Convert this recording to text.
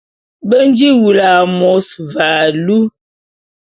Be nji wulu a môs ve alu.